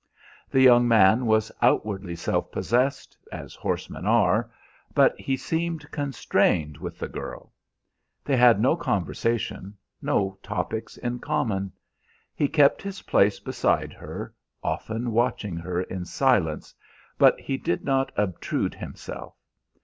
"The young man was outwardly self possessed, as horsemen are, but he seemed constrained with the girl. They had no conversation, no topics in common. He kept his place beside her, often watching her in silence, but he did not obtrude himself.